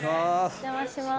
お邪魔します。